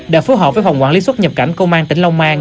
đã phối hợp với phòng quản lý xuất nhập cảnh công an tỉnh long an